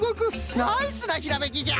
ナイスなひらめきじゃ！